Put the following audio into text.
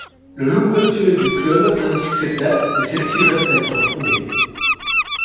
Le logo actuel du club indique cette date, mais celle-ci reste à être prouvée.